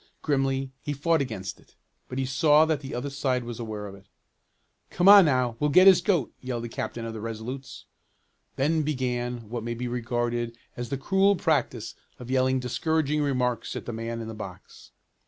Grimly he fought against it, but he saw that the other side was aware of it. "Come on now, we'll get his goat!" yelled the captain of the Resolutes. Then began what may be regarded as the cruel practice of yelling discouraging remarks at the man in the box.